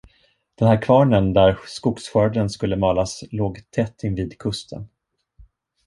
Den här kvarnen, där skogsskörden skulle malas, låg tätt invid kusten.